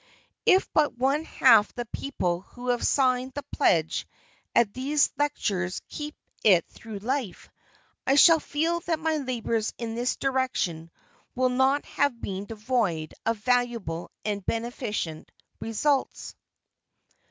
If but one half the people who have signed the pledge at these lectures keep it through life, I shall feel that my labors in this direction will not have been devoid of valuable and beneficent results.